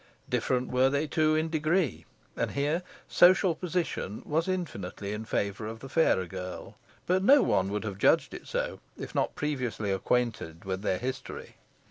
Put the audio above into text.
Different were they too, in degree, and here social position was infinitely in favour of the fairer girl, but no one would have judged it so if not previously acquainted with their history.